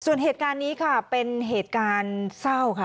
ส่วนเหตุการณ์นี้ค่ะเป็นเหตุการณ์เศร้าค่ะ